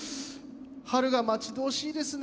春が待ち遠しいですね